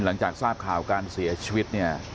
หลังจากทราบข่าวการเสียชีวิตเนี่ย